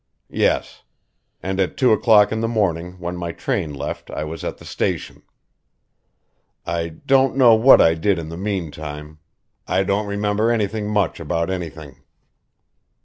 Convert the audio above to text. "Yes. And at two o'clock in the morning when my train left I was at the station. I don't know what I did in the meantime I don't remember anything much about anything."